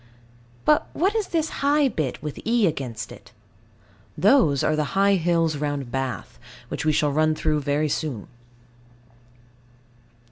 But what is this high bit with E against it? Those are the high hills round Bath, which we shall run through soon.